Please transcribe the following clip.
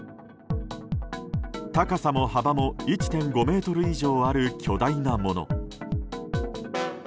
高さも幅も１．５ｍ以上ある巨大なもの。